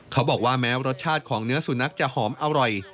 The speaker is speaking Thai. เขาบอกว่าแม้รสชาติของเนื้อสุนัขจะหอมอร่อย